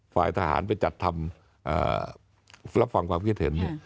ฝ่ายทหารไปจัดทำรับฟังความคิดเห็น